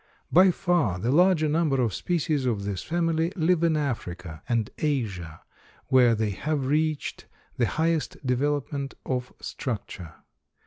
By far the larger number of species of this family live in Africa and Asia, where they have reached the highest development of structure.